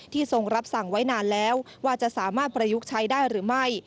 ทรงรับสั่งไว้นานแล้วว่าจะสามารถประยุกต์ใช้ได้หรือไม่